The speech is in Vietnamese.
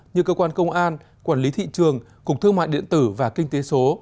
như cơ quan công an quản lý thị trường cục thương mại điện tử và kinh tế số